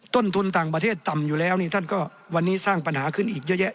ต้นทุนต่างประเทศต่ำอยู่แล้วนี่ท่านก็วันนี้สร้างปัญหาขึ้นอีกเยอะแยะ